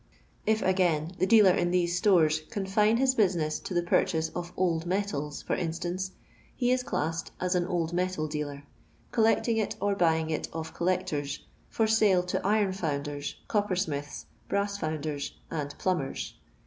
If, again, the dealer in these stoits confine his business to the purchase of old meial% for instance, he is classed as an old metal dsaUr, collecting it or buying it of collectors, for sale to iron founders, coppersmiths, brass founders, uA plumbers.